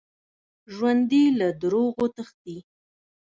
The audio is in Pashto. ژوندي له دروغو تښتي